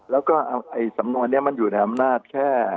แล้วก็สำนวนนี้มันอยู่ในอำนาจแค่